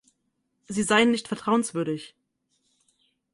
Sie seien nicht vertrauenswürdig.